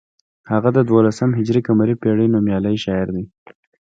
هغه د دولسم هجري قمري پیړۍ نومیالی شاعر دی.